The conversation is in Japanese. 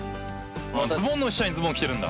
・ズボンの下にズボン着てるんだ？